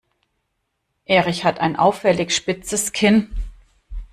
Erich hat ein auffällig spitzes Kinn.